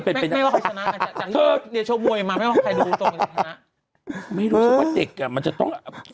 ไปโชว์ข้างซิจะได้เห็นภาพว่าอโห